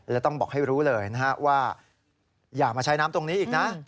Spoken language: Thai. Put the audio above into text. และต้องบอกให้รู้เลยนะฮะว่าอย่ามาใช้น้ำตรงนี้อีกนะ